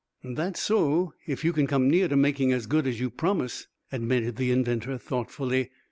"That's so, if you can come near to making as good as you promise," admitted the inventor, thoughtfully.